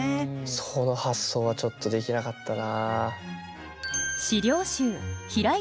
その発想はちょっとできなかったな。